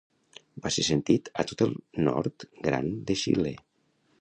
Va ser sentit a tot el Nord Gran de Xile.